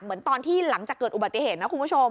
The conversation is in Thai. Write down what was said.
เหมือนตอนที่หลังจากเกิดอุบัติเหตุนะคุณผู้ชม